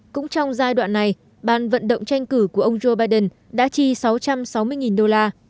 cũng trong giai đoạn này bàn vận động tranh cử của ông joe biden đã chi sáu trăm sáu mươi đô la